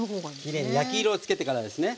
きれいに焼き色をつけてからですね。